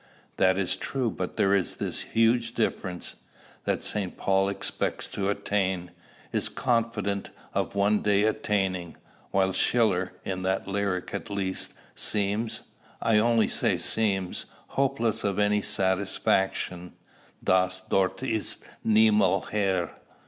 "That is true; but there is this huge difference, that St. Paul expects to attain, is confident of one day attaining; while Schiller, in that lyric at least, seems I only say seems hopeless of any satisfaction: _Das Dort ist niemals Hier.